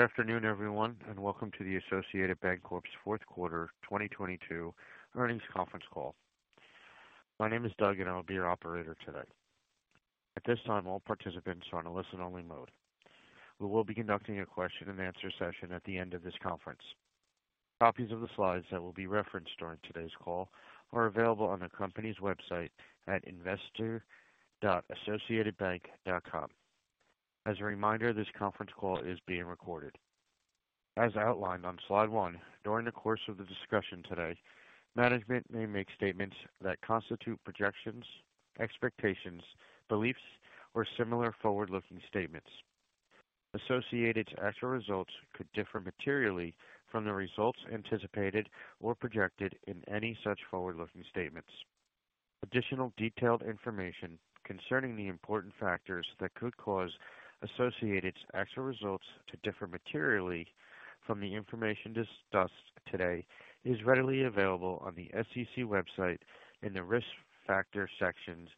Good afternoon, everyone, and welcome to the Associated Banc-Corp's fourth quarter 2022 earnings conference call. My name is Doug, and I'll be your operator today. At this time, all participants are on a listen-only mode. We will be conducting a question-and-answer session at the end of this conference. Copies of the slides that will be referenced during today's call are available on the company's website at investor.associatedbank.com.As a reminder, this conference call is being recorded. As outlined on slide 1, during the course of the discussion today, management may make statements that constitute projections, expectations, beliefs, or similar forward-looking statements. Associated's actual results could differ materially from the results anticipated or projected in any such forward-looking statements. Additional detailed information concerning the important factors that could cause Associated's actual results to differ materially from the information discussed today is readily available on the SEC website in the Risk Factor sections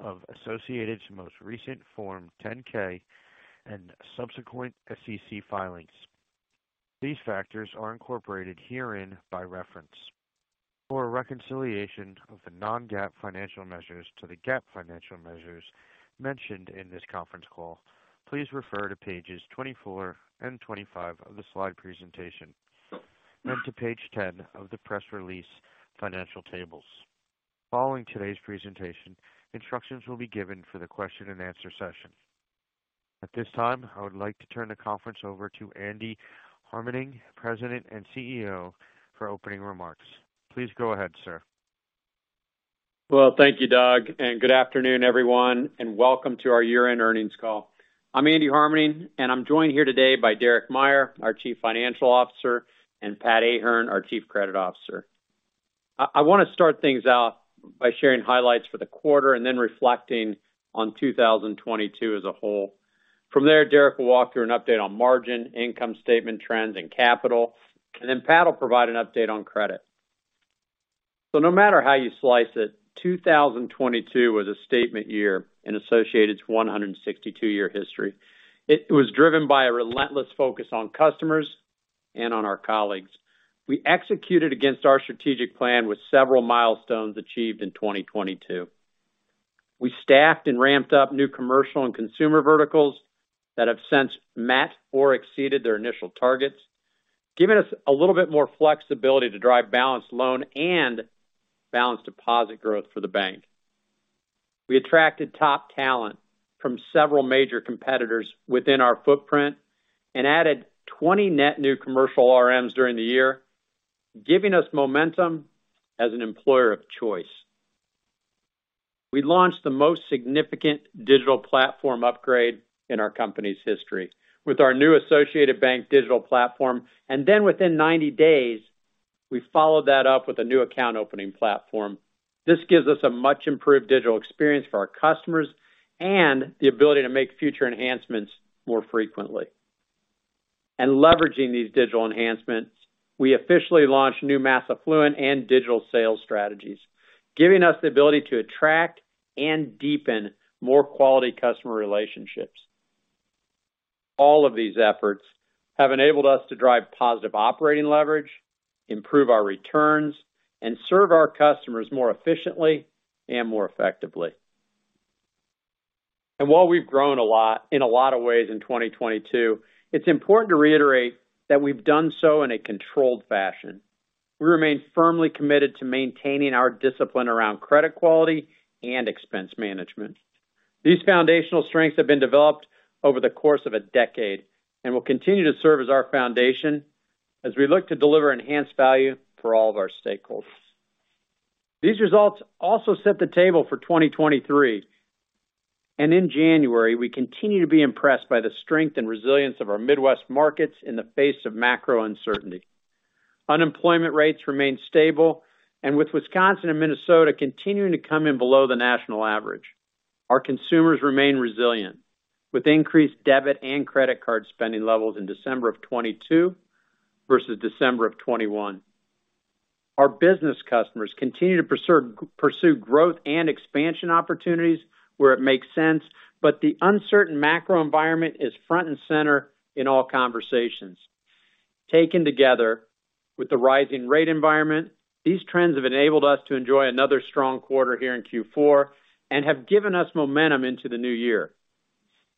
of Associated's most recent Form 10-K and subsequent SEC filings. These factors are incorporated herein by reference. For a reconciliation of the non-GAAP financial measures to the GAAP financial measures mentioned in this conference call, please refer to pages 24 and 25 of the slide presentation and to page 10 of the press release financial tables. Following today's presentation, instructions will be given for the question-and-answer session. At this time, I would like to turn the conference over to Andy Harmening, President and CEO, for opening remarks. Please go ahead, sir. Thank you, Doug, good afternoon, everyone, welcome to our year-end earnings call. I'm Andy Harmening, and I'm joined here today by Derek Meyer, our Chief Financial Officer, and Pat Ahern, our Chief Credit Officer. I wanna start things out by sharing highlights for the quarter and then reflecting on 2022 as a whole. From there, Derek will walk through an update on margin, income statement trends, and capital, and then Pat will provide an update on credit. No matter how you slice it, 2022 was a statement year in Associated's 162 year history. It was driven by a relentless focus on customers and on our colleagues. We executed against our strategic plan with several milestones achieved in 2022. We staffed and ramped up new commercial and consumer verticals that have since met or exceeded their initial targets, giving us a little bit more flexibility to drive balanced loan and balanced deposit growth for the bank. We attracted top talent from several major competitors within our footprint and added 20 net new commercial RMs during the year, giving us momentum as an employer of choice. We launched the most significant digital platform upgrade in our company's history with our new Associated Bank Digital platform. Within 90 days, we followed that up with a new account opening platform. This gives us a much-improved digital experience for our customers and the ability to make future enhancements more frequently. Leveraging these digital enhancements, we officially launched new mass affluent and digital sales strategies, giving us the ability to attract and deepen more quality customer relationships. All of these efforts have enabled us to drive positive operating leverage, improve our returns, and serve our customers more efficiently and more effectively. While we've grown a lot in a lot of ways in 2022, it's important to reiterate that we've done so in a controlled fashion. We remain firmly committed to maintaining our discipline around credit quality and expense management. These foundational strengths have been developed over the course of a decade and will continue to serve as our foundation as we look to deliver enhanced value for all of our stakeholders. These results also set the table for 2023. In January, we continue to be impressed by the strength and resilience of our Midwest markets in the face of macro uncertainty. Unemployment rates remain stable, with Wisconsin and Minnesota continuing to come in below the national average, our consumers remain resilient, with increased debit and credit card spending levels in December of 2022 versus December of 2021. Our business customers continue to pursue growth and expansion opportunities where it makes sense, the uncertain macro environment is front and center in all conversations. Taken together with the rising rate environment, these trends have enabled us to enjoy another strong quarter here in Q4 and have given us momentum into the new year.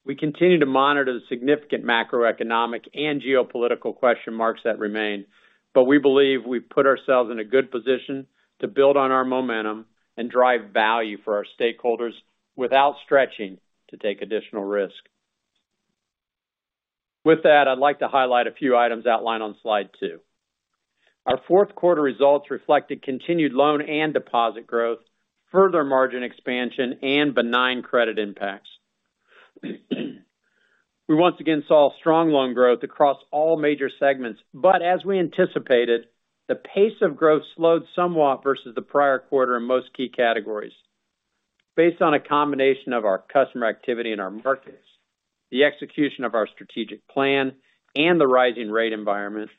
We continue to monitor the significant macroeconomic and geopolitical question marks that remain, we believe we've put ourselves in a good position to build on our momentum and drive value for our stakeholders without stretching to take additional risk. With that, I'd like to highlight a few items outlined on slide 2. Our fourth quarter results reflected continued loan and deposit growth, further margin expansion, and benign credit impacts. We once again saw strong loan growth across all major segments, but as we anticipated, the pace of growth slowed somewhat versus the prior quarter in most key categories. Based on a combination of our customer activity in our markets, the execution of our strategic plan, and the rising rate environment,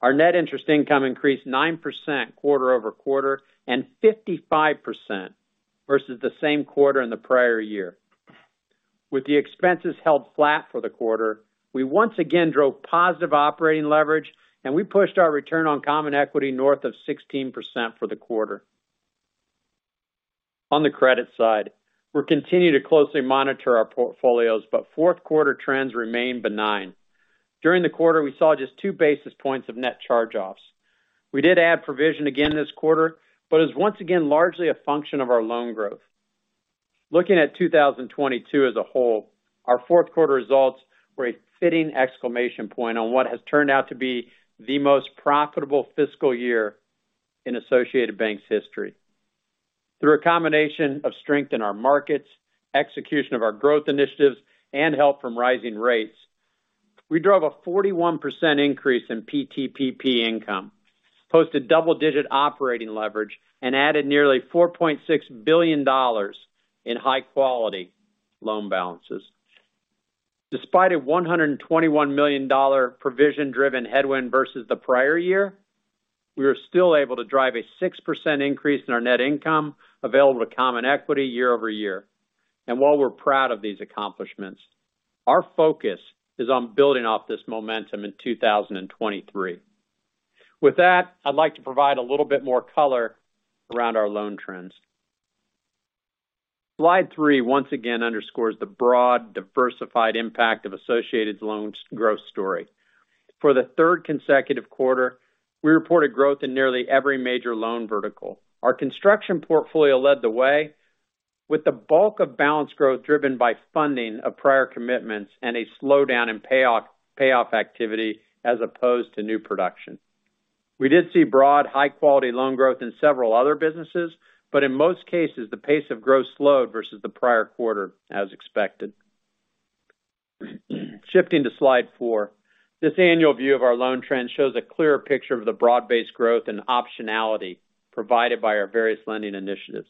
our net interest income increased 9% quarter-over-quarter and 55% versus the same quarter in the prior year. With the expenses held flat for the quarter, we once again drove positive operating leverage, and we pushed our return on common equity north of 16% for the quarter. On the credit side, we'll continue to closely monitor our portfolios, but fourth quarter trends remain benign. During the quarter, we saw just 2 basis points of net charge-offs. We did add provision again this quarter, but it's once again largely a function of our loan growth. Looking at 2022 as a whole, our fourth quarter results were a fitting exclamation point on what has turned out to be the most profitable fiscal year in Associated Bank's history. Through a combination of strength in our markets, execution of our growth initiatives, and help from rising rates, we drove a 41% increase in PTPP income, posted double-digit operating leverage, and added nearly $4.6 billion in high-quality loan balances. Despite a $121 million provision-driven headwind versus the prior year, we are still able to drive a 6% increase in our net income available to common equity year-over-year. While we're proud of these accomplishments, our focus is on building off this momentum in 2023. With that, I'd like to provide a little bit more color around our loan trends. Slide 3 once again underscores the broad, diversified impact of Associated's loans growth story. For the third consecutive quarter, we reported growth in nearly every major loan vertical. Our construction portfolio led the way with the bulk of balance growth driven by funding of prior commitments and a slowdown in payoff activity as opposed to new production. We did see broad, high-quality loan growth in several other businesses, but in most cases, the pace of growth slowed versus the prior quarter, as expected. Shifting to Slide 4. This annual view of our loan trend shows a clearer picture of the broad-based growth and optionality provided by our various lending initiatives.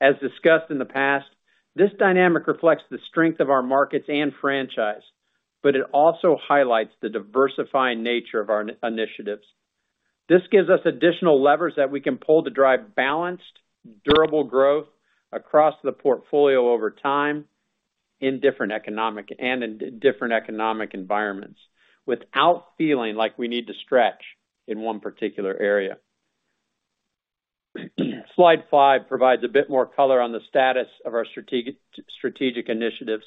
As discussed in the past, this dynamic reflects the strength of our markets and franchise, it also highlights the diversifying nature of our initiatives. This gives us additional levers that we can pull to drive balanced, durable growth across the portfolio over time in different economic environments without feeling like we need to stretch in one particular area. Slide 5 provides a bit more color on the status of our strategic initiatives.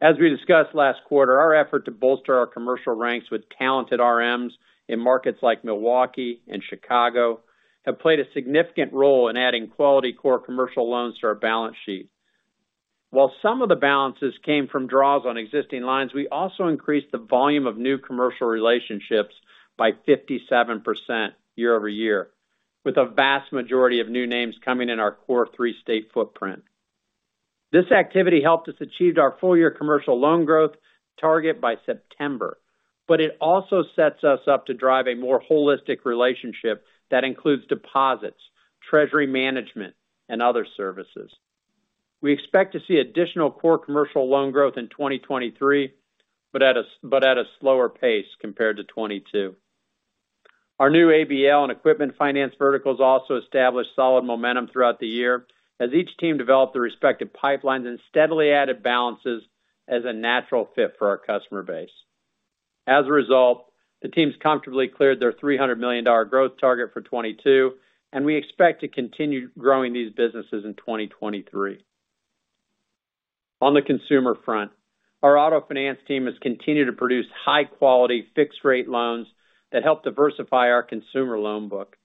As we discussed last quarter, our effort to bolster our commercial ranks with talented RMs in markets like Milwaukee and Chicago have played a significant role in adding quality core commercial loans to our balance sheet. While some of the balances came from draws on existing lines, we also increased the volume of new commercial relationships by 57% year-over-year, with a vast majority of new names coming in our core three-state footprint. This activity helped us achieve our full-year commercial loan growth target by September. It also sets us up to drive a more holistic relationship that includes deposits, treasury management, and other services. We expect to see additional core commercial loan growth in 2023, but at a slower pace compared to 2022. Our new ABL and equipment finance verticals also established solid momentum throughout the year as each team developed their respective pipelines and steadily added balances as a natural fit for our customer base. As a result, the teams comfortably cleared their $300 million growth target for 2022. We expect to continue growing these businesses in 2023. On the consumer front, our auto finance team has continued to produce high-quality fixed-rate loans that help diversify our consumer loan book.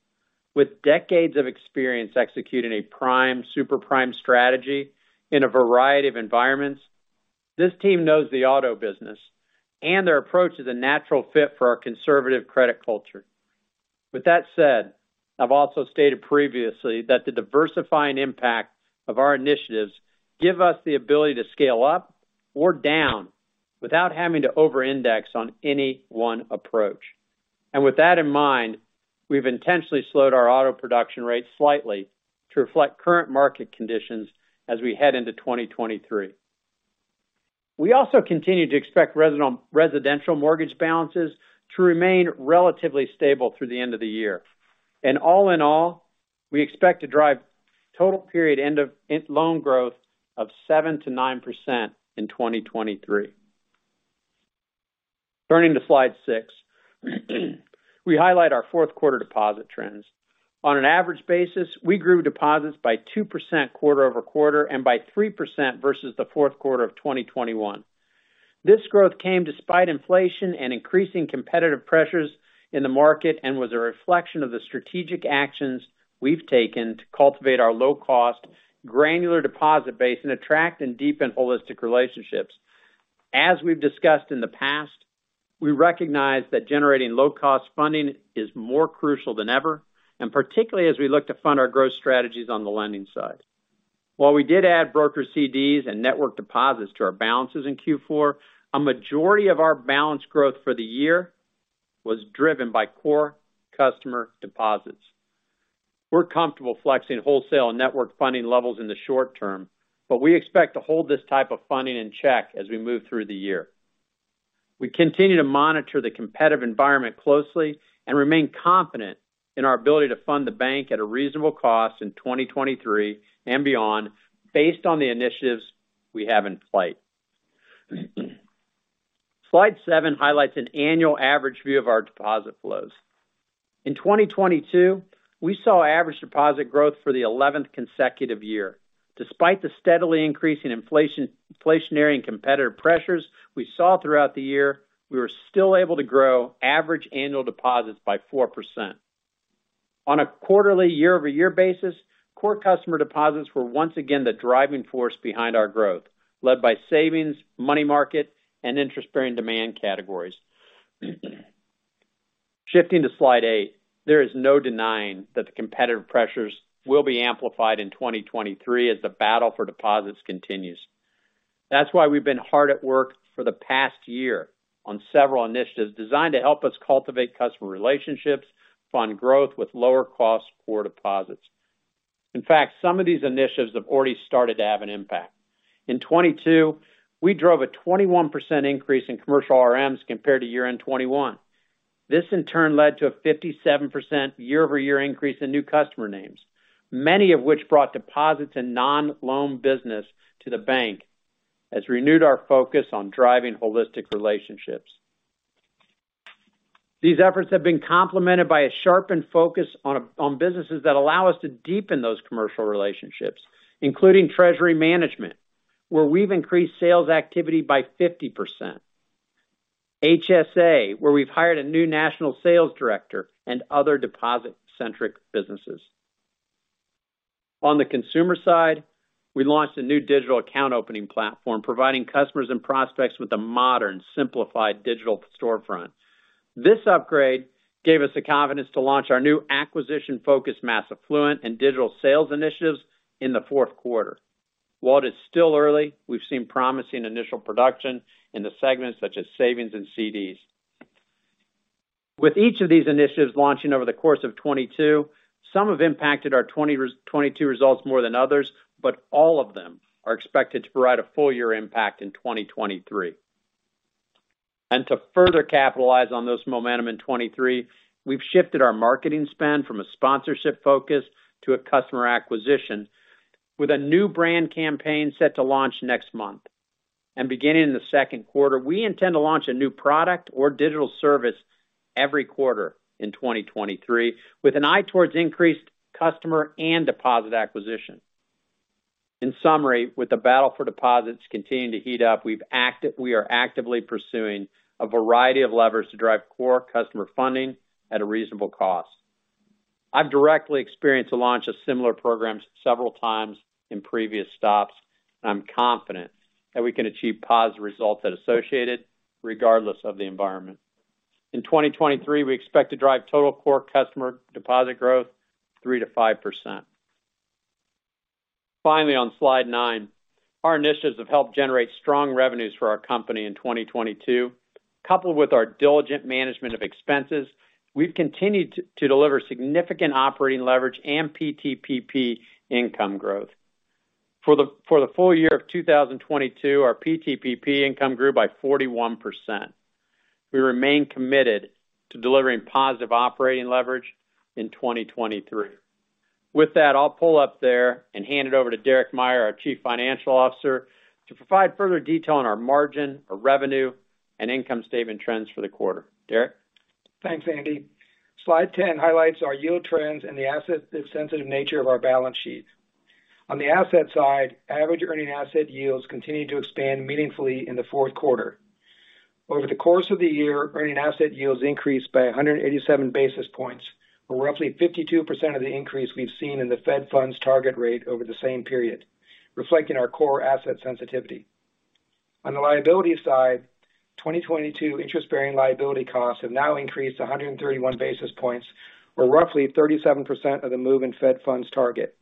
With decades of experience executing a prime, super prime strategy in a variety of environments, this team knows the auto business. Their approach is a natural fit for our conservative credit culture. With that said, I've also stated previously that the diversifying impact of our initiatives give us the ability to scale up or down without having to over-index on any one approach. With that in mind, we've intentionally slowed our auto production rate slightly to reflect current market conditions as we head into 2023. We also continue to expect residential mortgage balances to remain relatively stable through the end of the year. All in all, we expect to drive total period end loan growth of 7%-9% in 2023. Turning to slide 6. We highlight our fourth quarter deposit trends. On an average basis, we grew deposits by 2% quarter-over-quarter and by 3% versus the fourth quarter of 2021. This growth came despite inflation and increasing competitive pressures in the market and was a reflection of the strategic actions we've taken to cultivate our low-cost, granular deposit base and attract and deepen holistic relationships. As we've discussed in the past, we recognize that generating low-cost funding is more crucial than ever, and particularly as we look to fund our growth strategies on the lending side. While we did add brokered CDs and network deposits to our balances in Q4, a majority of our balance growth for the year was driven by core customer deposits. We're comfortable flexing wholesale and network funding levels in the short term, we expect to hold this type of funding in check as we move through the year. We continue to monitor the competitive environment closely and remain confident in our ability to fund the bank at a reasonable cost in 2023 and beyond based on the initiatives we have in flight. Slide 7 highlights an annual average view of our deposit flows. In 2022, we saw average deposit growth for the eleventh consecutive year. Despite the steadily increasing inflationary and competitive pressures we saw throughout the year, we were still able to grow average annual deposits by 4%. On a quarterly year-over-year basis, core customer deposits were once again the driving force behind our growth, led by savings, money market, and interest-bearing demand categories. Shifting to slide 8, there is no denying that the competitive pressures will be amplified in 2023 as the battle for deposits continues. That's why we've been hard at work for the past year on several initiatives designed to help us cultivate customer relationships, fund growth with lower costs for deposits. In fact, some of these initiatives have already started to have an impact. In 2022, we drove a 21% increase in commercial RMs compared to year-end 2021. This, in turn, led to a 57% year-over-year increase in new customer names, many of which brought deposits and non-loan business to Associated Bank as renewed our focus on driving holistic relationships. These efforts have been complemented by a sharpened focus on businesses that allow us to deepen those commercial relationships, including treasury management, where we've increased sales activity by 50%. HSA, where we've hired a new national sales director and other deposit-centric businesses. On the consumer side, we launched a new digital account opening platform, providing customers and prospects with a modern, simplified digital storefront. This upgrade gave us the confidence to launch our new acquisition-focused mass affluent and digital sales initiatives in the fourth quarter. While it is still early, we've seen promising initial production in the segments such as savings and CDs. With each of these initiatives launching over the course of 2022, some have impacted our 2022 results more than others, all of them are expected to provide a full year impact in 2023. To further capitalize on this momentum in 2023, we've shifted our marketing spend from a sponsorship focus to a customer acquisition with a new brand campaign set to launch next month. Beginning in the second quarter, we intend to launch a new product or digital service every quarter in 2023 with an eye towards increased customer and deposit acquisition. In summary, with the battle for deposits continuing to heat up, we are actively pursuing a variety of levers to drive core customer funding at a reasonable cost. I've directly experienced the launch of similar programs several times in previous stops. I'm confident that we can achieve positive results that are associated regardless of the environment. In 2023, we expect to drive total core customer deposit growth 3%-5%. Finally, on slide 9, our initiatives have helped generate strong revenues for our company in 2022. Coupled with our diligent management of expenses, we've continued to deliver significant operating leverage and PTPP income growth. For the full year of 2022, our PTPP income grew by 41%. We remain committed to delivering positive operating leverage in 2023. With that, I'll pull up there and hand it over to Derek Meyer, our Chief Financial Officer, to provide further detail on our margin, our revenue, and income statement trends for the quarter. Derek? Thanks, Andy. Slide 10 highlights our yield trends and the asset-sensitive nature of our balance sheet. On the asset side, average earning asset yields continued to expand meaningfully in the fourth quarter. Over the course of the year, earning asset yields increased by 187 basis points, or roughly 52% of the increase we've seen in the Fed funds target rate over the same period, reflecting our core asset sensitivity. On the liability side, 2022 interest-bearing liability costs have now increased 131 basis points or roughly 37% of the move in Fed funds target.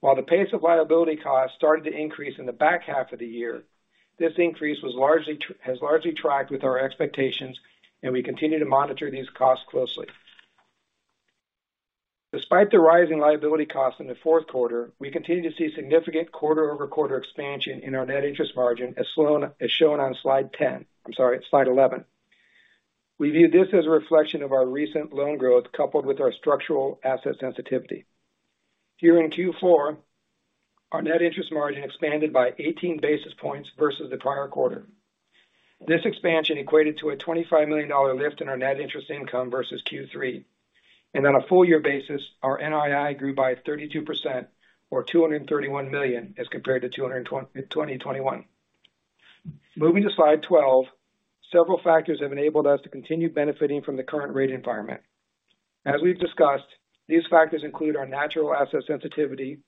While the pace of liability costs started to increase in the back half of the year, this increase has largely tracked with our expectations, and we continue to monitor these costs closely. Despite the rising liability costs in the fourth quarter, we continue to see significant quarter-over-quarter expansion in our net interest margin, as shown on slide 10. I'm sorry, slide 11. We view this as a reflection of our recent loan growth coupled with our structural asset sensitivity. Here in Q4, our net interest margin expanded by 18 basis points versus the prior quarter. This expansion equated to a $25 million lift in our net interest income versus Q3. On a full year basis, our NII grew by 32% or $231 million as compared to $220 million in 2021. Moving to slide 12, several factors have enabled us to continue benefiting from the current rate environment. As we've discussed, these factors include our natural asset sensitivity,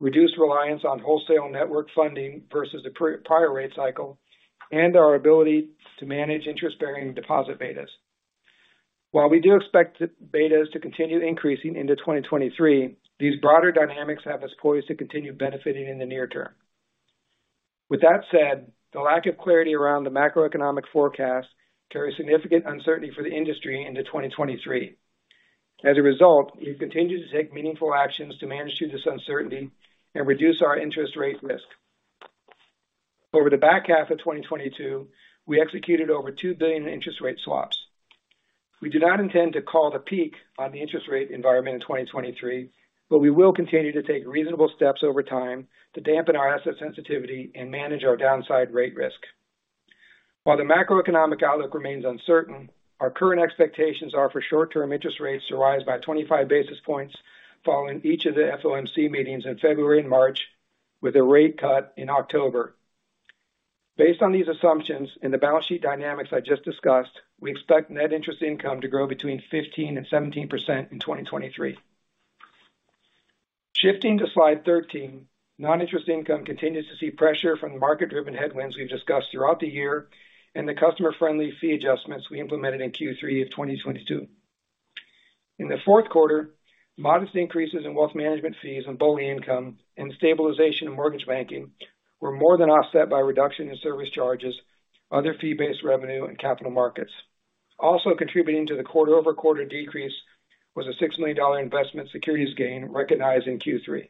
reduced reliance on wholesale network funding versus the prior rate cycle, and our ability to manage interest-bearing deposit betas. While we do expect betas to continue increasing into 2023, these broader dynamics have us poised to continue benefiting in the near term. With that said, the lack of clarity around the macroeconomic forecast carries significant uncertainty for the industry into 2023. As a result, we've continued to take meaningful actions to manage through this uncertainty and reduce our interest rate risk. Over the back half of 2022, we executed over $2 billion in interest rate swaps. We do not intend to call the peak on the interest rate environment in 2023, but we will continue to take reasonable steps over time to dampen our asset sensitivity and manage our downside rate risk. While the macroeconomic outlook remains uncertain, our current expectations are for short-term interest rates to rise by 25 basis points following each of the FOMC meetings in February and March, with a rate cut in October. Based on these assumptions and the balance sheet dynamics I just discussed, we expect net interest income to grow between 15% and 17% in 2023. Shifting to slide 13. Non-interest income continues to see pressure from the market-driven headwinds we've discussed throughout the year and the customer-friendly fee adjustments we implemented in Q3 of 2022. In the fourth quarter, modest increases in wealth management fees and BOLI income and stabilization in mortgage banking were more than offset by reduction in service charges, other fee-based revenue and capital markets. Contributing to the quarter-over-quarter decrease was a $6 million investment securities gain recognized in Q3.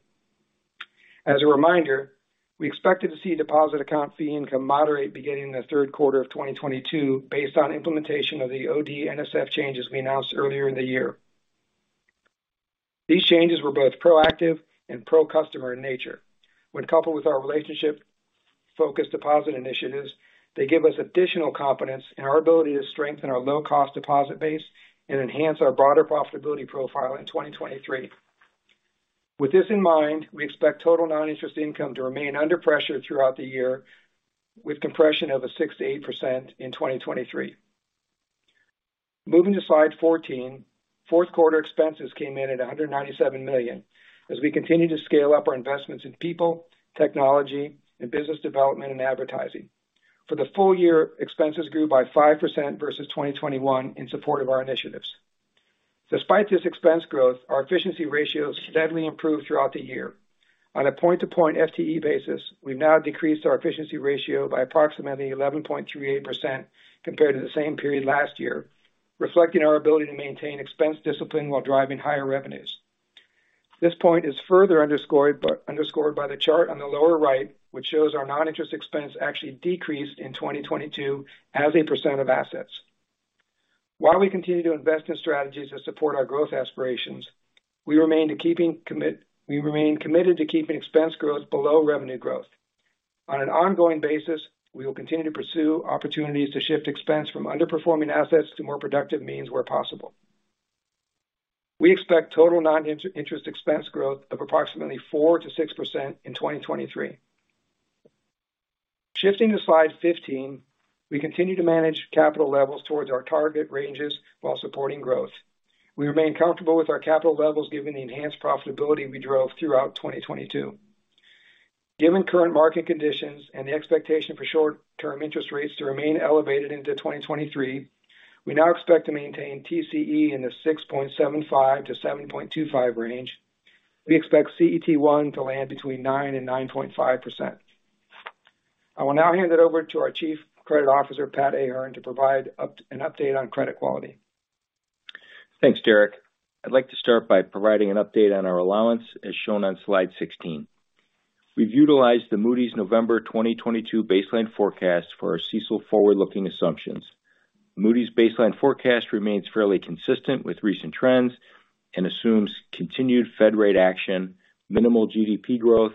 As a reminder, we expected to see deposit account fee income moderate beginning in the third quarter of 2022 based on implementation of the OD NSF changes we announced earlier in the year. These changes were both proactive and pro-customer in nature. When coupled with our relationship focused deposit initiatives, they give us additional confidence in our ability to strengthen our low-cost deposit base and enhance our broader profitability profile in 2023. With this in mind, we expect total non-interest income to remain under pressure throughout the year with compression of 6%-8% in 2023. Moving to slide 14. Fourth quarter expenses came in at $197 million as we continue to scale up our investments in people, technology and business development and advertising. For the full year, expenses grew by 5% versus 2021 in support of our initiatives. Despite this expense growth, our efficiency ratio steadily improved throughout the year. On a point-to-point FTE basis, we've now decreased our efficiency ratio by approximately 11.38% compared to the same period last year, reflecting our ability to maintain expense discipline while driving higher revenues. This point is further underscored by the chart on the lower right, which shows our non-interest expense actually decreased in 2022 as a % of assets. While we continue to invest in strategies that support our growth aspirations, we remain committed to keeping expense growth below revenue growth. On an ongoing basis, we will continue to pursue opportunities to shift expense from underperforming assets to more productive means where possible. We expect total non-interest expense growth of approximately 4%-6% in 2023. Shifting to slide 15. We continue to manage capital levels towards our target ranges while supporting growth. We remain comfortable with our capital levels given the enhanced profitability we drove throughout 2022. Given current market conditions and the expectation for short-term interest rates to remain elevated into 2023, we now expect to maintain TCE in the 6.75-7.25 range. We expect CET1 to land between 9% and 9.5%. I will now hand it over to our Chief Credit Officer, Patrick Ahern, to provide an update on credit quality. Thanks, Derek. I'd like to start by providing an update on our allowance, as shown on slide 16. We've utilized the Moody's November 2022 baseline forecast for our CECL forward-looking assumptions. Moody's baseline forecast remains fairly consistent with recent trends and assumes continued Fed rate action, minimal GDP growth,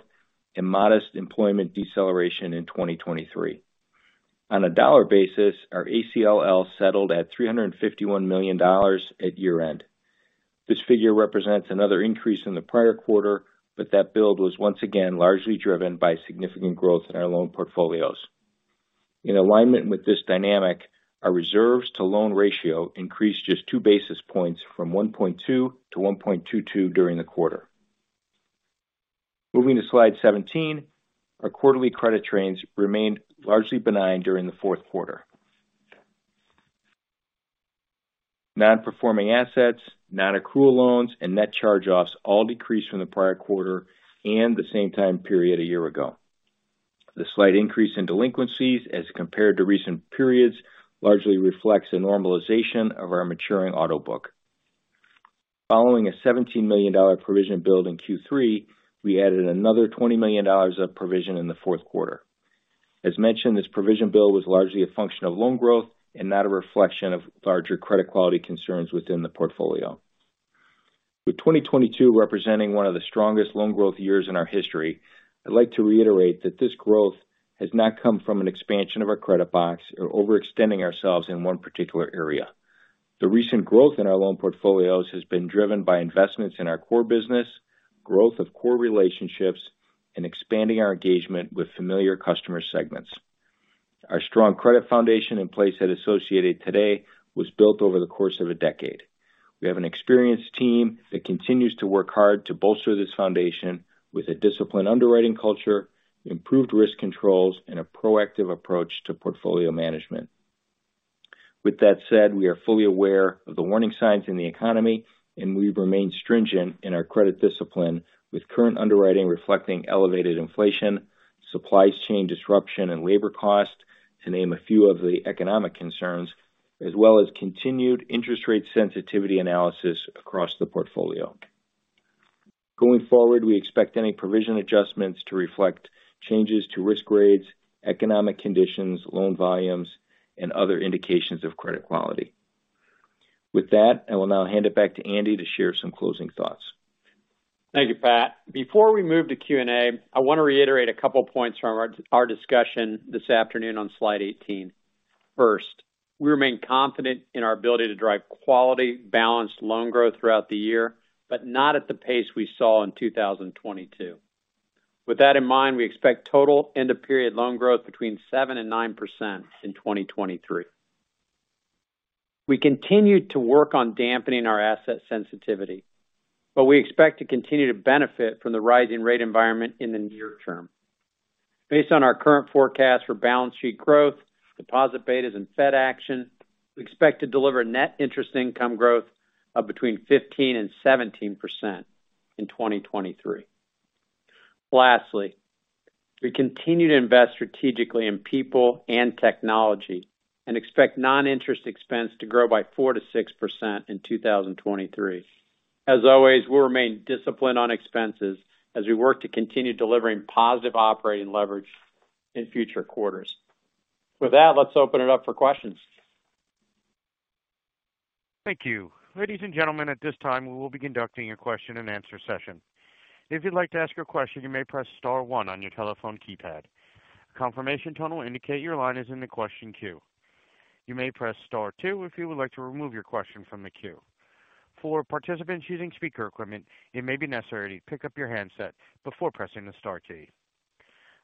and modest employment deceleration in 2023. On a dollar basis, our ACLL settled at $351 million at year-end. This figure represents another increase in the prior quarter, that build was once again largely driven by significant growth in our loan portfolios. In alignment with this dynamic, our reserves to loan ratio increased just 2 basis points from 1.2 to 1.22 during the quarter. Moving to slide 17. Our quarterly credit trends remained largely benign during the fourth quarter. Non-performing assets, non-accrual loans, and net charge-offs all decreased from the prior quarter and the same time period a year ago. The slight increase in delinquencies as compared to recent periods largely reflects a normalization of our maturing auto book. Following a $17 million provision build in Q3, we added another $20 million of provision in the fourth quarter. As mentioned, this provision build was largely a function of loan growth and not a reflection of larger credit quality concerns within the portfolio. With 2022 representing one of the strongest loan growth years in our history, I'd like to reiterate that this growth has not come from an expansion of our credit box or overextending ourselves in one particular area. The recent growth in our loan portfolios has been driven by investments in our core business, growth of core relationships, and expanding our engagement with familiar customer segments. Our strong credit foundation in place at Associated today was built over the course of a decade. We have an experienced team that continues to work hard to bolster this foundation with a disciplined underwriting culture, improved risk controls, and a proactive approach to portfolio management. With that said, we are fully aware of the warning signs in the economy. We remain stringent in our credit discipline with current underwriting reflecting elevated inflation, supply chain disruption and labor cost To name a few of the economic concerns, as well as continued interest rate sensitivity analysis across the portfolio. Going forward, we expect any provision adjustments to reflect changes to risk grades, economic conditions, loan volumes, and other indications of credit quality. With that, I will now hand it back to Andy to share some closing thoughts. Thank you, Pat. Before we move to Q&A, I want to reiterate a couple points from our discussion this afternoon on slide 18. First, we remain confident in our ability to drive quality balanced loan growth throughout the year, but not at the pace we saw in 2022. With that in mind, we expect total end of period loan growth between 7% and 9% in 2023. We continued to work on dampening our asset sensitivity, but we expect to continue to benefit from the rising rate environment in the near term. Based on our current forecast for balance sheet growth, deposit betas, and Fed action, we expect to deliver net interest income growth of between 15% and 17% in 2023. Lastly, we continue to invest strategically in people and technology and expect non-interest expense to grow by 4%-6% in 2023. As always, we'll remain disciplined on expenses as we work to continue delivering positive operating leverage in future quarters. Let's open it up for questions. Thank you. Ladies and gentlemen, at this time we will be conducting a question-and-answer session. If you'd like to ask a question, you may press star one on your telephone keypad. A confirmation tone will indicate your line is in the question queue. You may press star two if you would like to remove your question from the queue. For participants using speaker equipment, it may be necessary to pick up your handset before pressing the star key.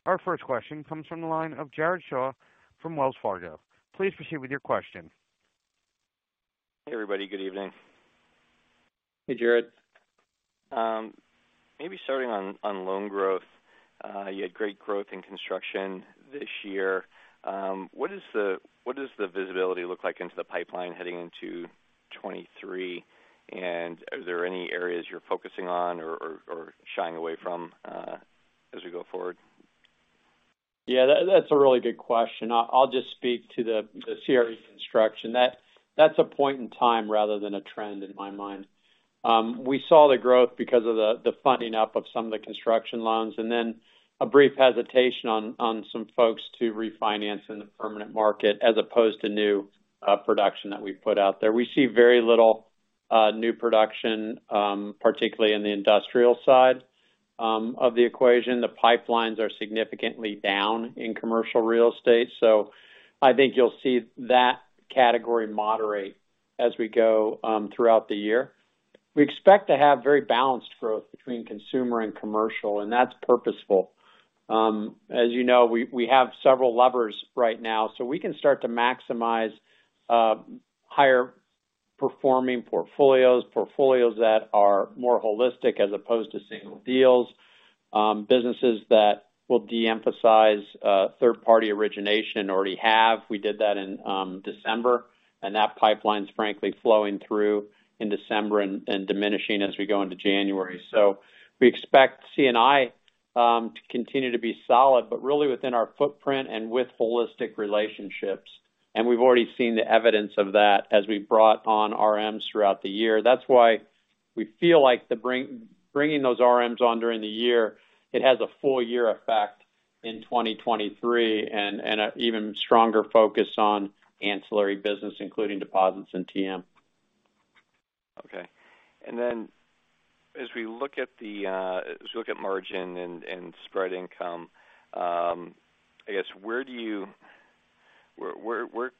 Our first question comes from the line of Jared Shaw from Wells Fargo. Please proceed with your question. Hey, everybody. Good evening. Hey, Jared. Maybe starting on loan growth. You had great growth in construction this year. What does the visibility look like into the pipeline heading into 2023? Are there any areas you're focusing on or shying away from, as we go forward? Yeah, that's a really good question. I'll just speak to the CRE construction. That's a point in time rather than a trend in my mind. We saw the growth because of the funding up of some of the construction loans and then a brief hesitation on some folks to refinance in the permanent market as opposed to new production that we've put out there. We see very little new production, particularly in the industrial side of the equation. The pipelines are significantly down in commercial real estate. I think you'll see that category moderate as we go throughout the year. We expect to have very balanced growth between consumer and commercial, and that's purposeful. As you know, we have several levers right now, so we can start to maximize higher performing portfolios that are more holistic as opposed to single deals. Businesses that will de-emphasize third-party origination already have. We did that in December. That pipeline's frankly flowing through in December and diminishing as we go into January. We expect C&I to continue to be solid, but really within our footprint and with holistic relationships. We've already seen the evidence of that as we've brought on RMs throughout the year. That's why we feel like bringing those RMs on during the year, it has a full year effect in 2023 and an even stronger focus on ancillary business, including deposits and TM. Okay. As we look at the, as we look at margin and spread income, I guess where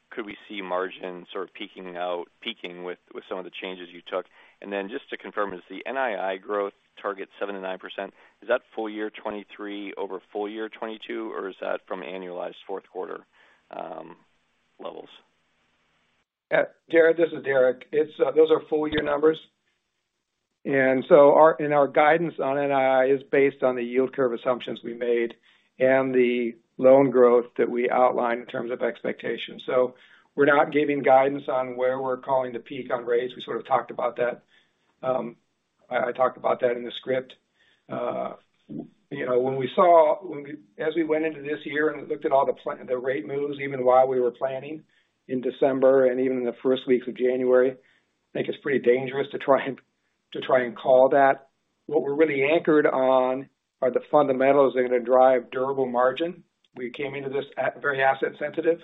could we see margins sort of peaking with some of the changes you took? Just to confirm, is the NII growth target 7%-9%? Is that full year 2023 over full year 2022, or is that from annualized fourth quarter levels? Yeah. Jared, this is Derek. It's, those are full year numbers. Our guidance on NII is based on the yield curve assumptions we made and the loan growth that we outlined in terms of expectations. We're not giving guidance on where we're calling the peak on rates. We sort of talked about that. I talked about that in the script. You know, when we went into this year and looked at all the rate moves even while we were planning in December and even in the first weeks of January, I think it's pretty dangerous to try and call that. What we're really anchored on are the fundamentals that are gonna drive durable margin. We came into this at very asset sensitive.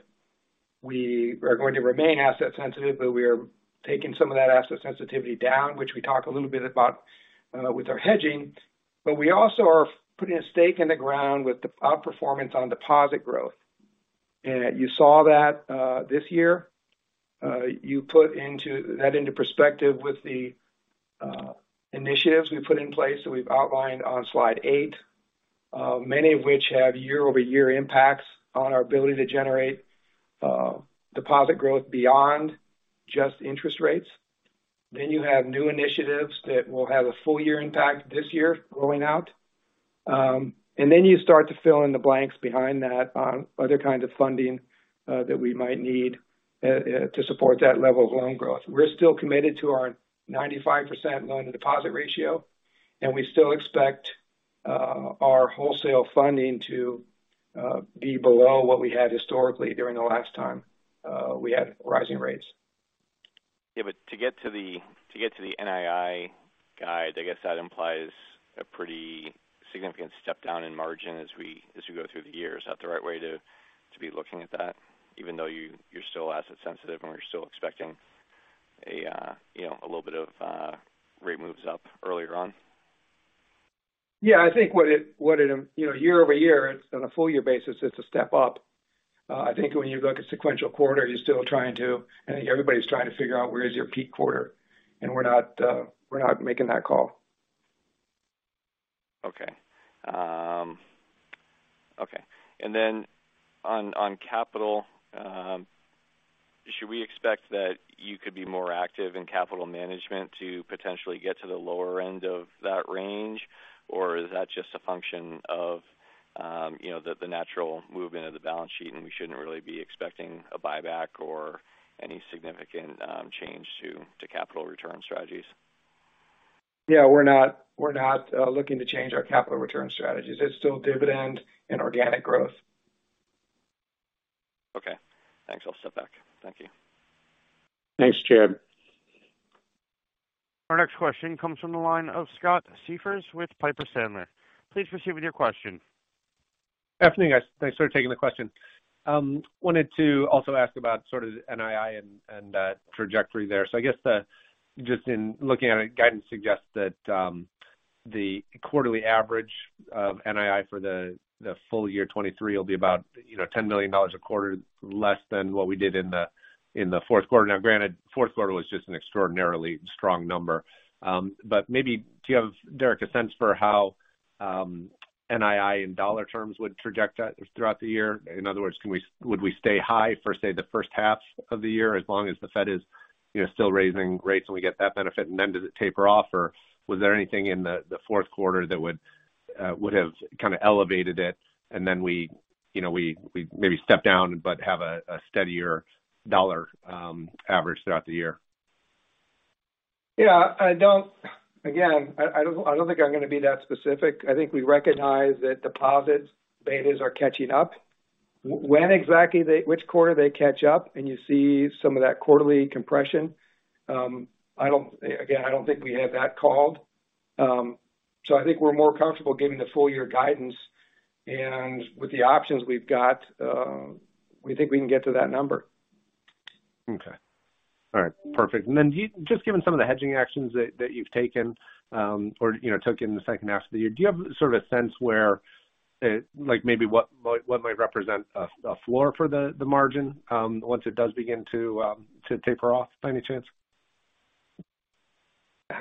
We are going to remain asset sensitive, but we are taking some of that asset sensitivity down, which we talk a little bit about with our hedging. We also are putting a stake in the ground with the outperformance on deposit growth. You saw that this year. You put that into perspective with the initiatives we put in place that we've outlined on slide eight, many of which have year-over-year impacts on our ability to generate deposit growth beyond just interest rates. You have new initiatives that will have a full year impact this year going out. You start to fill in the blanks behind that on other kinds of funding that we might need to support that level of loan growth. We're still committed to our 95% loan-to-deposit ratio, and we still expect our wholesale funding to be below what we had historically during the last time we had rising rates. Yeah, to get to the NII guide, I guess that implies a pretty significant step down in margin as we go through the years. Is that the right way to be looking at that even though you're still asset sensitive and we're still expecting a, you know, a little bit of rate moves up earlier on? Yeah. I think what it, you know, year-over-year, it's on a full year basis, it's a step up. I think when you look at sequential quarter, I think everybody's trying to figure out where is your peak quarter, we're not, we're not making that call. Okay. Okay. On, on capital, should we expect that you could be more active in capital management to potentially get to the lower end of that range? Or is that just a function of, you know, the natural movement of the balance sheet and we shouldn't really be expecting a buyback or any significant change to capital return strategies? Yeah, we're not looking to change our capital return strategies. It's still dividend and organic growth. Okay. Thanks. I'll step back. Thank you. Thanks, Jared. Our next question comes from the line of Scott Siefers with Piper Sandler. Please proceed with your question. Good afternoon, guys. Thanks for taking the question. Wanted to also ask about sort of NII and that trajectory there. I guess just in looking at it, guidance suggests that the quarterly average of NII for the full year 2023 will be about, you know, $10 million a quarter less than what we did in the fourth quarter. Now granted, fourth quarter was just an extraordinarily strong number. Maybe do you have, Derek, a sense for how NII in dollar terms would traject throughout the year? In other words, would we stay high for, say, the first half of the year as long as the Fed is, you know, still raising rates and we get that benefit and then does it taper off? Was there anything in the fourth quarter that would have kind of elevated it and then we, you know, we maybe step down but have a steadier dollar average throughout the year? Yeah. Again, I don't think I'm gonna be that specific. I think we recognize that deposits betas are catching up. When exactly which quarter they catch up and you see some of that quarterly compression, I don't, again, I don't think we have that called. I think we're more comfortable giving the full year guidance. With the options we've got, we think we can get to that number. Okay. All right. Perfect. Just given some of the hedging actions that you've taken, or, you know, took in the second half of the year, do you have sort of a sense where it, like, maybe what might represent a floor for the margin, once it does begin to taper off by any chance?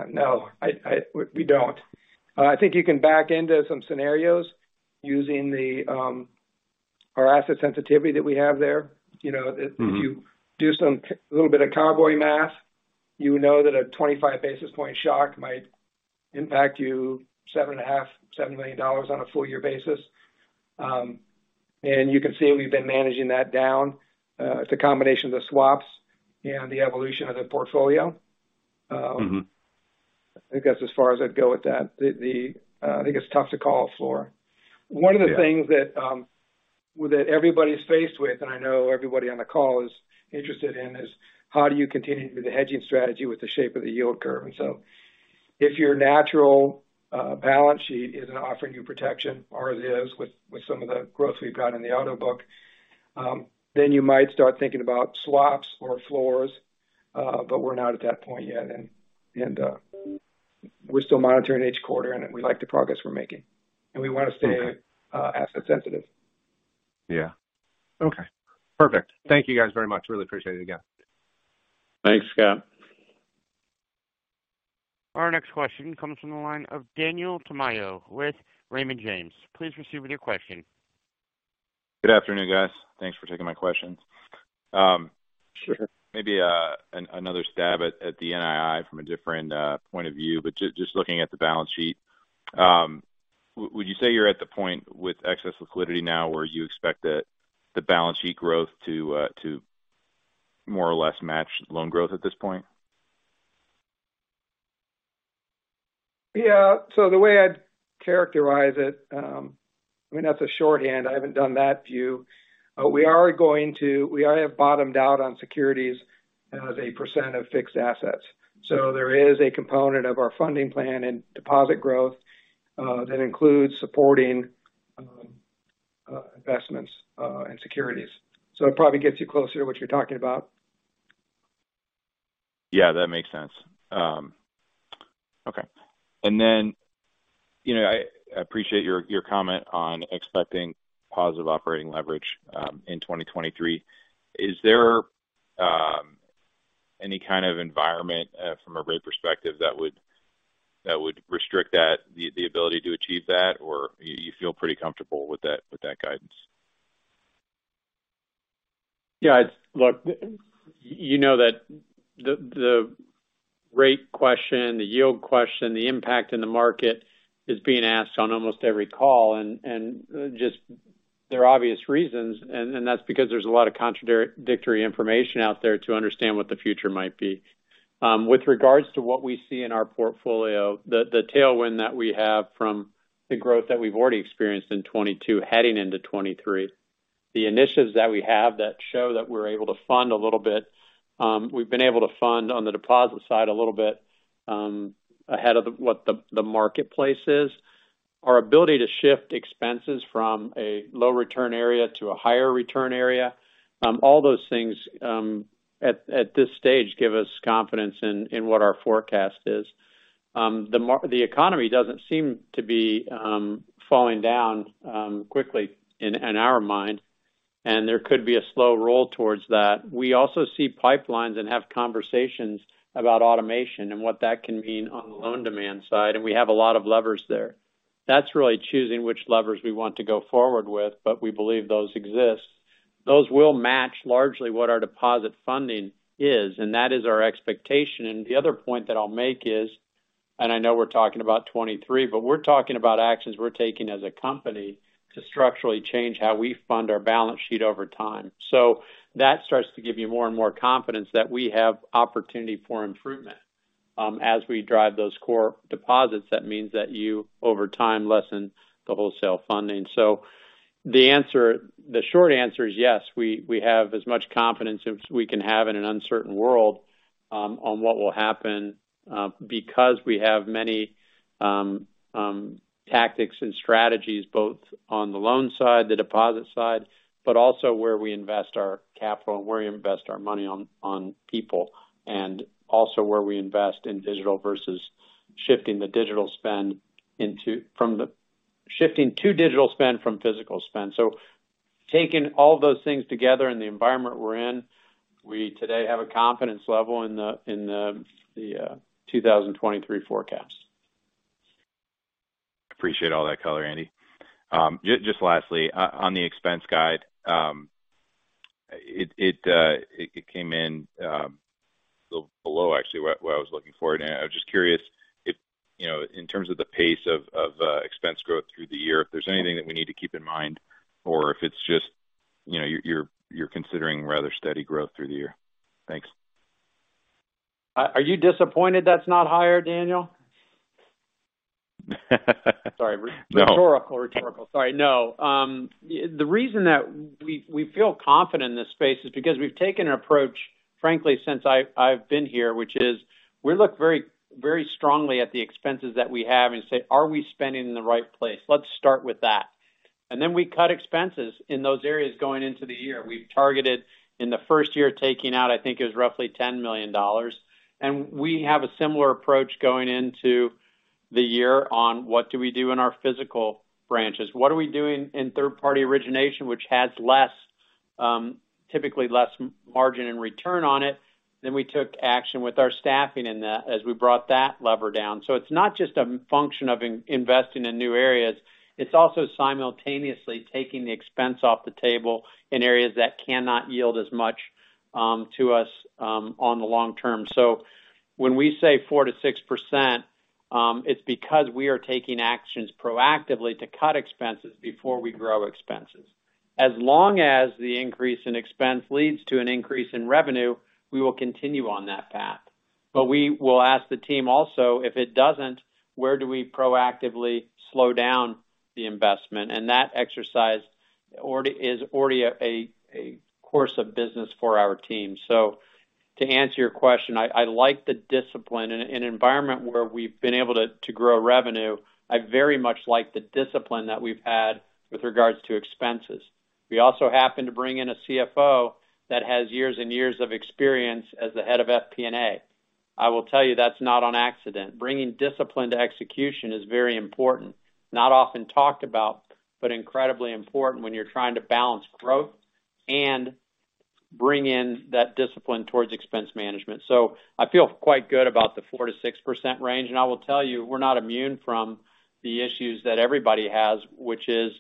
No. We don't. I think you can back into some scenarios using the our asset sensitivity that we have there. Mm-hmm. If you do some, a little bit of cowboy math, you know that a 25 basis point shock might impact you seven and a half, $7 million on a full year basis. You can see we've been managing that down. It's a combination of the swaps and the evolution of the portfolio. Mm-hmm. I think that's as far as I'd go with that. The I think it's tough to call a floor. Yeah. One of the things that everybody's faced with, and I know everybody on the call is interested in, is how do you continue with the hedging strategy with the shape of the yield curve? If your natural balance sheet isn't offering you protection, or it is with some of the growth we've got in the auto book, then you might start thinking about swaps or floors. We're not at that point yet. We're still monitoring each quarter, and we like the progress we're making. Okay. We want to stay, asset sensitive. Yeah. Okay. Perfect. Thank you guys very much. Really appreciate it again. Thanks, Scott. Our next question comes from the line of Daniel Tamayo with Raymond James. Please proceed with your question. Good afternoon, guys. Thanks for taking my questions. Sure. Maybe another stab at the NII from a different point of view, but just looking at the balance sheet, would you say you're at the point with excess liquidity now where you expect the balance sheet growth to more or less match loan growth at this point? Yeah. The way I'd characterize it, I mean, that's a shorthand. I haven't done that view. We are at bottomed out on securities as a % of fixed assets. There is a component of our funding plan and deposit growth that includes supporting investments and securities. It probably gets you closer to what you're talking about. Yeah, that makes sense. Okay. You know, I appreciate your comment on expecting positive operating leverage in 2023. Is there any kind of environment from a rate perspective that would restrict that, the ability to achieve that, or you feel pretty comfortable with that guidance? Yeah. Look, you know that the rate question, the yield question, the impact in the market is being asked on almost every call and just there are obvious reasons and that's because there's a lot of contradictory information out there to understand what the future might be. With regards to what we see in our portfolio, the tailwind that we have from the growth that we've already experienced in 2022 heading into 2023, the initiatives that we have that show that we're able to fund a little bit, we've been able to fund on the deposit side a little bit, ahead of what the marketplace is. Our ability to shift expenses from a low return area to a higher return area. All those things, at this stage give us confidence in what our forecast is. The economy doesn't seem to be falling down quickly in our mind, and there could be a slow roll towards that. We also see pipelines and have conversations about automation and what that can mean on the loan demand side. We have a lot of levers there. That's really choosing which levers we want to go forward with, but we believe those exist. Those will match largely what our deposit funding is, and that is our expectation. The other point that I'll make is. I know we're talking about 2023. We're talking about actions we're taking as a company to structurally change how we fund our balance sheet over time. That starts to give you more and more confidence that we have opportunity for improvement. As we drive those core deposits, that means that you, over time, lessen the wholesale funding. The answer, the short answer is yes, we have as much confidence as we can have in an uncertain world, on what will happen because we have many tactics and strategies both on the loan side, the deposit side, but also where we invest our capital and where we invest our money on people, and also where we invest in digital versus shifting the digital spend from physical spend. Taking all those things together in the environment we're in, we today have a confidence level in the 2023 forecast. Appreciate all that color, Andy. Just lastly, on the expense guide, it came in a little below actually what I was looking for. I was just curious if, you know, in terms of the pace of expense growth through the year, if there's anything that we need to keep in mind or if it's just, you know, you're considering rather steady growth through the year. Thanks. Are you disappointed that's not higher, Daniel? Sorry. Rhetorical. Rhetorical. Sorry. No. The reason that we feel confident in this space is because we've taken an approach, frankly, since I've been here, which is we look very, very strongly at the expenses that we have and say, "Are we spending in the right place? Let's start with that." We cut expenses in those areas going into the year. We've targeted in the first year, taking out, I think it was roughly $10 million. We have a similar approach going into the year on what do we do in our physical branches. What are we doing in third-party origination which has less, typically less margin and return on it? We took action with our staffing in that as we brought that lever down. It's not just a function of investing in new areas, it's also simultaneously taking the expense off the table in areas that cannot yield as much to us on the long term. When we say 4% to 6%, it's because we are taking actions proactively to cut expenses before we grow expenses. As long as the increase in expense leads to an increase in revenue, we will continue on that path. We will ask the team also, if it doesn't, where do we proactively slow down the investment? That exercise is already a course of business for our team. To answer your question, I like the discipline. In an environment where we've been able to grow revenue, I very much like the discipline that we've had with regards to expenses. We also happen to bring in a CFO that has years and years of experience as the head of FP&A. I will tell you that's not on accident. Bringing discipline to execution is very important. Not often talked about, but incredibly important when you're trying to balance growth and bring in that discipline towards expense management. I feel quite good about the 4%-6% range. I will tell you, we're not immune from the issues that everybody has, which is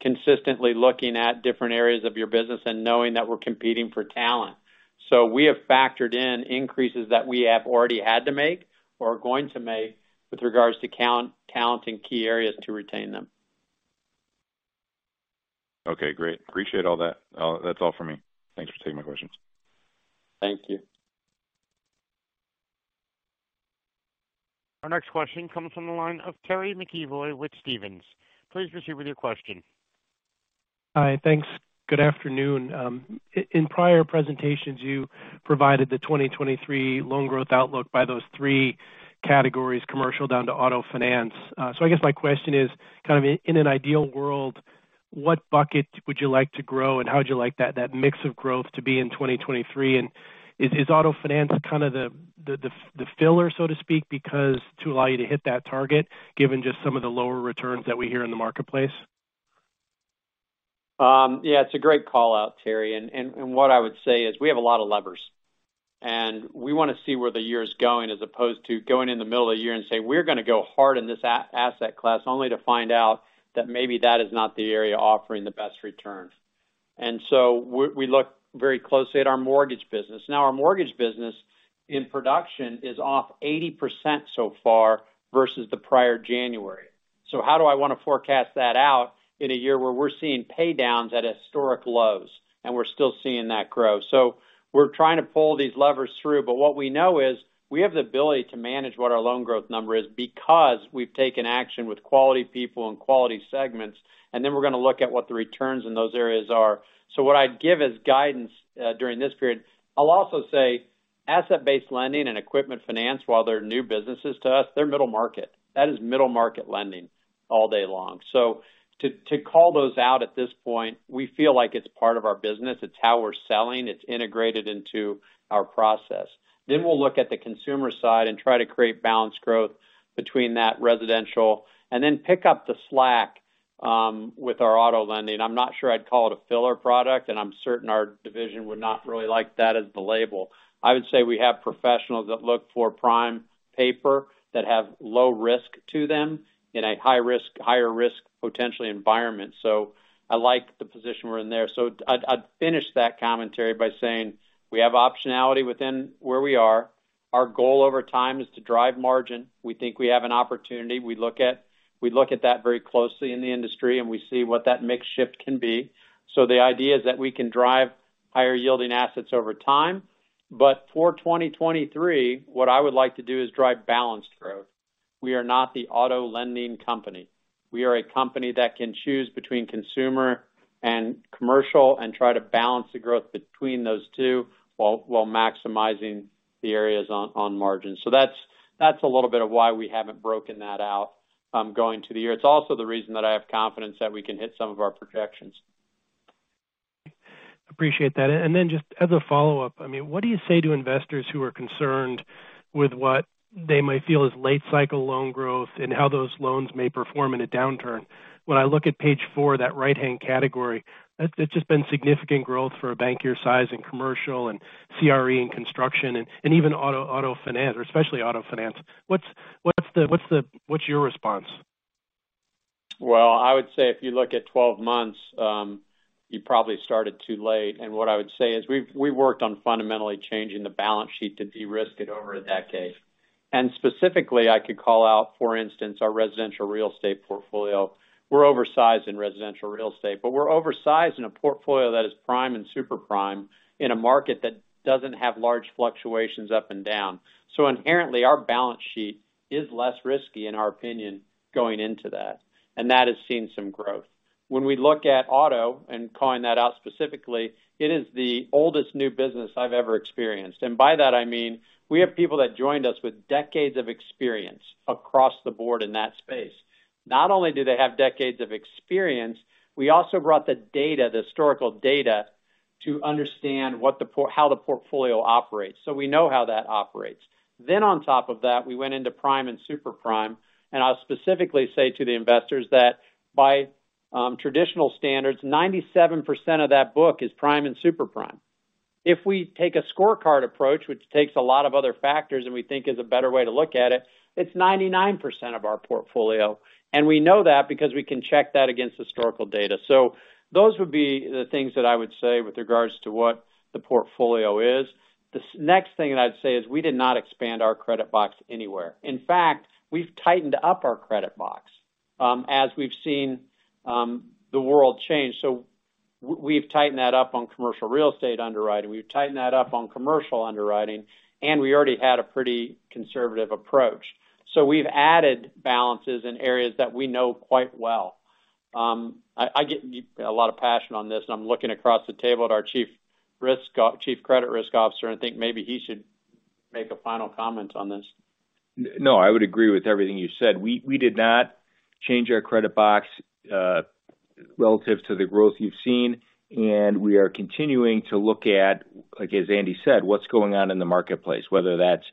consistently looking at different areas of your business and knowing that we're competing for talent. We have factored in increases that we have already had to make or are going to make with regards to talent in key areas to retain them. Okay, great. Appreciate all that. That's all for me. Thanks for taking my questions. Thank you. Our next question comes from the line of Terry McEvoy with Stephens. Please proceed with your question. Hi. Thanks. Good afternoon. In prior presentations, you provided the 2023 loan growth outlook by those three categories, commercial down to auto finance. I guess my question is kind of in an ideal world, what bucket would you like to grow and how would you like that mix of growth to be in 2023? Is auto finance kind of the filler, so to speak, because to allow you to hit that target given just some of the lower returns that we hear in the marketplace? Yeah, it's a great call-out, Terry. What I would say is we have a lot of levers, and we wanna see where the year is going as opposed to going in the middle of the year and say, "We're gonna go hard in this asset class," only to find out that maybe that is not the area offering the best return. We look very closely at our mortgage business. Now, our mortgage business in production is off 80% so far versus the prior January. How do I want to forecast that out in a year where we're seeing paydowns at historic lows and we're still seeing that growth? We're trying to pull these levers through, but what we know is we have the ability to manage what our loan growth number is because we've taken action with quality people and quality segments. Then we're gonna look at what the returns in those areas are. What I'd give as guidance, during this period, I'll also say asset-based lending and equipment finance, while they're new businesses to us, they're middle market. That is middle market lending all day long. To call those out at this point, we feel like it's part of our business. It's how we're selling. It's integrated into our process. We'll look at the consumer side and try to create balanced growth between that residential and then pick up the slack, with our auto lending. I'm not sure I'd call it a filler product, and I'm certain our division would not really like that as the label. I would say we have professionals that look for prime paper that have low risk to them in a high-risk, higher risk potentially environment. I like the position we're in there. I'd finish that commentary by saying we have optionality within where we are. Our goal over time is to drive margin. We think we have an opportunity. We look at that very closely in the industry, and we see what that mix shift can be. The idea is that we can drive higher yielding assets over time. But for 2023, what I would like to do is drive balanced growth. We are not the auto lending company. We are a company that can choose between consumer and commercial and try to balance the growth between those two while maximizing the areas on margin. That's a little bit of why we haven't broken that out going to the year. It's also the reason that I have confidence that we can hit some of our projections. Appreciate that. Just as a follow-up, I mean, what do you say to investors who are concerned with what they might feel is late-cycle loan growth and how those loans may perform in a downturn? When I look at page 4, it's just been significant growth for a bank your size in commercial and CRE and construction and even auto finance, or especially auto finance. What's your response? Well, I would say if you look at 12 months, you probably started too late. What I would say is we worked on fundamentally changing the balance sheet to de-risk it over a decade. Specifically, I could call out, for instance, our residential real estate portfolio. We're oversized in residential real estate, but we're oversized in a portfolio that is prime and super prime in a market that doesn't have large fluctuations up and down. Inherently, our balance sheet is less risky, in our opinion, going into that, and that has seen some growth. When we look at auto and calling that out specifically, it is the oldest new business I've ever experienced. By that, I mean, we have people that joined us with decades of experience across the board in that space. Not only do they have decades of experience, we also brought the data, the historical data to understand how the portfolio operates. We know how that operates. On top of that, we went into prime and super prime. I'll specifically say to the investors that by traditional standards, 97% of that book is prime and super prime. If we take a scorecard approach, which takes a lot of other factors and we think is a better way to look at it's 99% of our portfolio, and we know that because we can check that against historical data. Those would be the things that I would say with regards to what the portfolio is. The next thing I'd say is we did not expand our credit box anywhere. In fact, we've tightened up our credit box, as we've seen, the world change. We've tightened that up on commercial real estate underwriting. We've tightened that up on commercial underwriting, and we already had a pretty conservative approach. We've added balances in areas that we know quite well. I get a lot of passion on this, and I'm looking across the table at our Chief Credit Risk Officer and think maybe he should make a final comment on this. No, I would agree with everything you said. We did not change our credit box relative to the growth you've seen. We are continuing to look at, like, as Andy said, what's going on in the marketplace, whether that's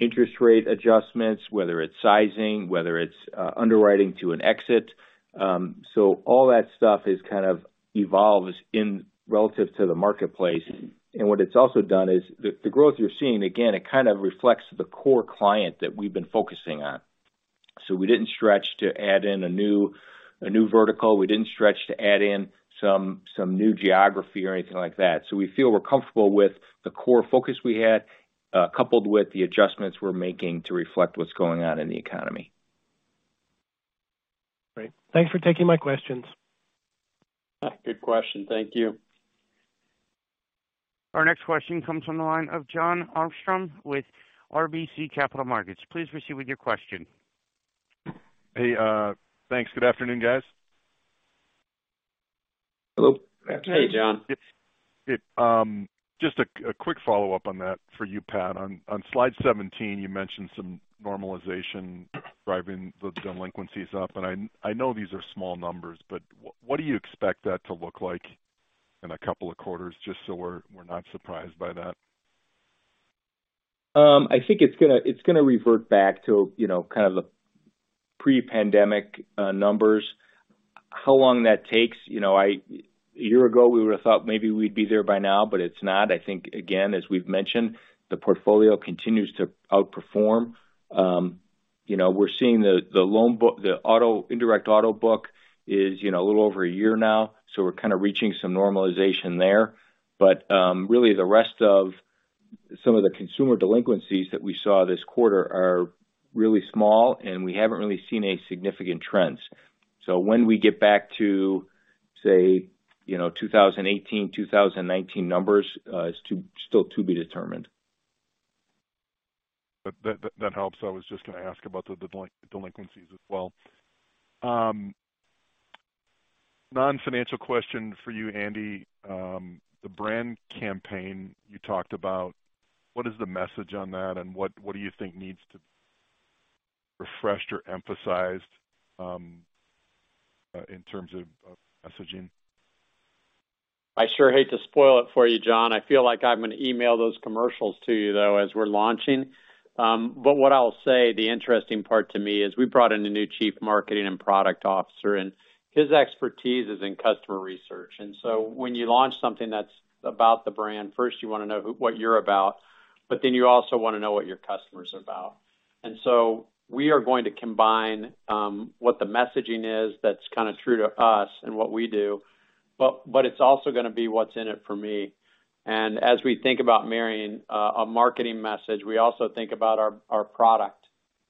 interest rate adjustments, whether it's sizing, whether it's underwriting to an exit. All that stuff is kind of evolves in relative to the marketplace. What it's also done is the growth you're seeing, again, it kind of reflects the core client that we've been focusing on. We didn't stretch to add in a new vertical. We didn't stretch to add in some new geography or anything like that. We feel we're comfortable with the core focus we had coupled with the adjustments we're making to reflect what's going on in the economy. Great. Thanks for taking my questions. Good question. Thank you. Our next question comes from the line of Jon Arfstrom with RBC Capital Markets. Please proceed with your question. Hey, thanks. Good afternoon, guys. Hello. Hey, Jon. It's just a quick follow-up on that for you, Pat. On slide 17, you mentioned some normalization driving the delinquencies up. I know these are small numbers, but what do you expect that to look like in a couple of quarters, just so we're not surprised by that? I think it's gonna revert back to, you know, kind of the pre-pandemic numbers. How long that takes? You know, a year ago, we would have thought maybe we'd be there by now, but it's not. I think, again, as we've mentioned, the portfolio continues to outperform. you know, we're seeing the loan book, the indirect auto book is, you know, a little over a year now. we're kind of reaching some normalization there. really the rest of... Some of the consumer delinquencies that we saw this quarter are really small, and we haven't really seen any significant trends. When we get back to, say, you know, 2018, 2019 numbers, is still to be determined. That helps. I was just gonna ask about the delinquencies as well. Non-financial question for you, Andy. The brand campaign you talked about, what is the message on that, and what do you think needs to be refreshed or emphasized in terms of messaging? I sure hate to spoil it for you, Jon Arfstrom. I feel like I'm gonna email those commercials to you, though, as we're launching. What I'll say, the interesting part to me is we brought in a new chief marketing and product officer. His expertise is in customer research. When you launch something that's about the brand, first you wanna know what you're about. You also wanna know what your customers are about. We are going to combine what the messaging is that's kinda true to us and what we do, but it's also gonna be what's in it for me. As we think about marrying a marketing message, we also think about our product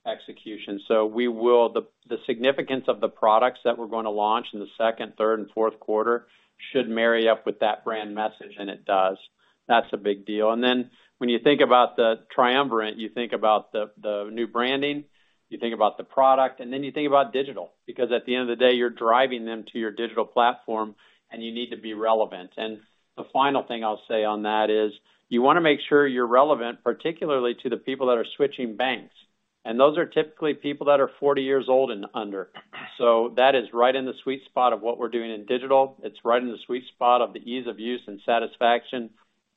execution. The significance of the products that we're gonna launch in the second, third, and fourth quarter should marry up with that brand message, and it does. That's a big deal. When you think about the triumvirate, you think about the new branding, you think about the product, and then you think about digital because at the end of the day, you're driving them to your digital platform, and you need to be relevant. The final thing I'll say on that is you wanna make sure you're relevant, particularly to the people that are switching banks. Those are typically people that are 40 years old and under. That is right in the sweet spot of what we're doing in digital. It's right in the sweet spot of the ease of use and satisfaction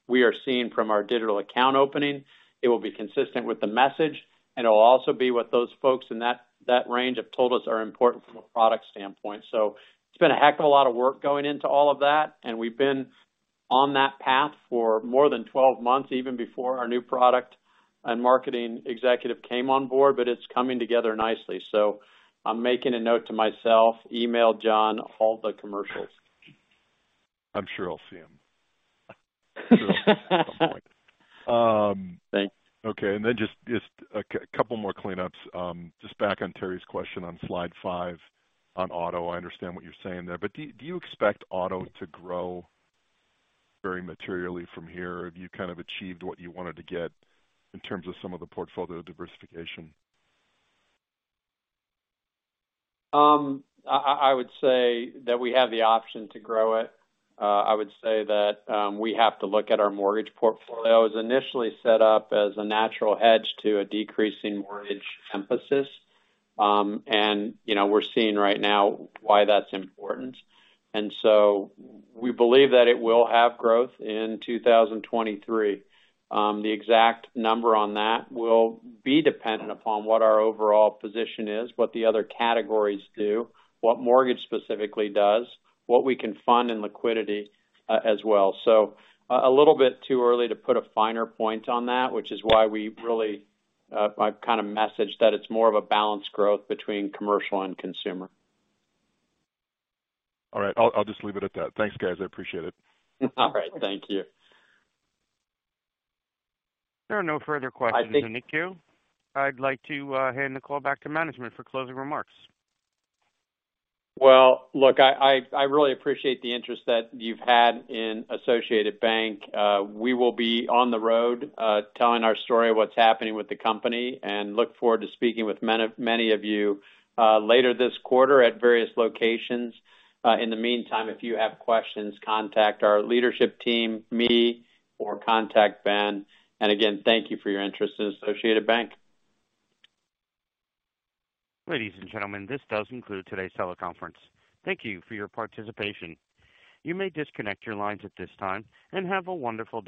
we are seeing from our digital account opening. It will be consistent with the message, and it'll also be what those folks in that range have told us are important from a product standpoint. It's been a heck of a lot of work going into all of that, and we've been on that path for more than 12 months, even before our new product and marketing executive came on board, but it's coming together nicely. I'm making a note to myself, email Jon all the commercials. I'm sure I'll see them. At some point. Okay. Then just a couple more cleanups. Just back on Terry's question on slide five on auto. I understand what you're saying there, but do you expect auto to grow very materially from here? Have you kind of achieved what you wanted to get in terms of some of the portfolio diversification? I would say that we have the option to grow it. I would say that we have to look at our mortgage portfolio. It was initially set up as a natural hedge to a decreasing mortgage emphasis. You know, we're seeing right now why that's important. We believe that it will have growth in 2023. The exact number on that will be dependent upon what our overall position is, what the other categories do, what mortgage specifically does, what we can fund in liquidity as well. A little bit too early to put a finer point on that, which is why we really I kind of messaged that it's more of a balanced growth between commercial and consumer. All right, I'll just leave it at that. Thanks, guys. I appreciate it. All right, thank you. There are no further questions in the queue. I'd like to hand the call back to management for closing remarks. Well, look, I really appreciate the interest that you've had in Associated Bank. We will be on the road, telling our story of what's happening with the company and look forward to speaking with many of you later this quarter at various locations. In the meantime, if you have questions, contact our leadership team, me, or contact Ben. Again, thank you for your interest in Associated Bank. Ladies and gentlemen, this does conclude today's teleconference. Thank you for your participation. You may disconnect your lines at this time, and have a wonderful day.